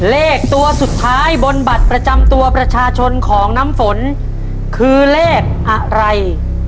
เลขตัวสุดท้ายบนบัตรประจำตัวประชาชนของน้ำฝนคือเลขอะไร